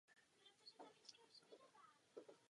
V Paříži je v Seině nalezeno již třetí tělo mladé dívky.